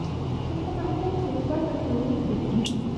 ฉันกำลังครุ่นคิดว่าจะซื้อขิง